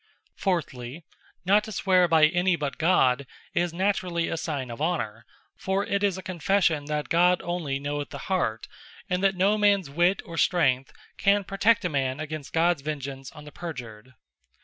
Fourthly, Not to swear by any but God, is naturally a signe of Honour: for it is a confession that God onely knoweth the heart; and that no mans wit, or strength can protect a man against Gods vengence on the perjured.